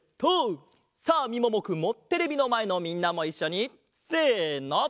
さあみももくんもテレビのまえのみんなもいっしょにせの！